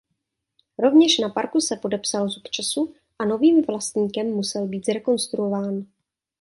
Rovněž na parku se podepsal zub času a novým vlastníkem musel být zrekonstruován.